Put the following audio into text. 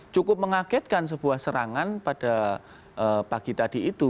cukup mengagetkan sebuah serangan pada pagi tadi itu